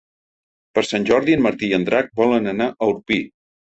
Per Sant Jordi en Martí i en Drac volen anar a Orpí.